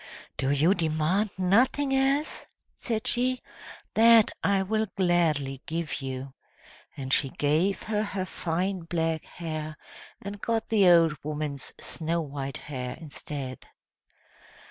"Do you demand nothing else?" said she. "That I will gladly give you!" And she gave her her fine black hair, and got the old woman's snow white hair instead.